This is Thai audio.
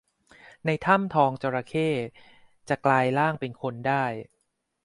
ในถ้ำทองจระเข้ จะกลายร่างเป็นคนได้